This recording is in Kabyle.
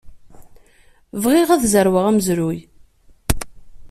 Bɣiɣ ad zerweɣ amezruy.